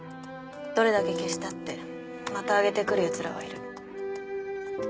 どれだけ消したってまた上げてくる奴らはいる。